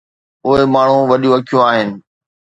اهي ماڻهو وڏيون اکيون آهن